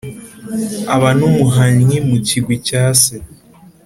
aba n'umuhannyi mu kigwi cya se,